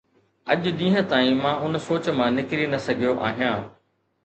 اڄ ڏينهن تائين مان ان سوچ مان نڪري نه سگهيو آهيان.